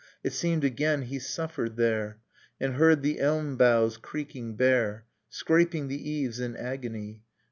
It seemed again he suffered there, And heard the elm boughs creaking bare. Scraping the eaves, in agony.